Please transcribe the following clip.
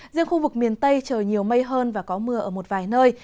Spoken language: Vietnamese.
riêng khu vực miền tây trời nhiều mây hơn và có mưa ở một vài nơi